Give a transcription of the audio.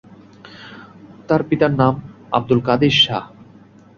তার পিতার নাম আবদুল কাদির শাহ।